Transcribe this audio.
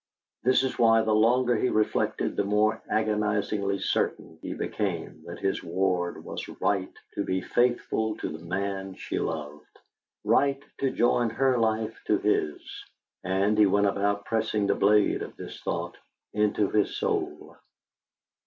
This was why the longer he reflected the more agonisedly certain he became that his ward was right to be faithful to the man she loved, right to join her life to his. And he went about pressing the blade of this thought into his soul.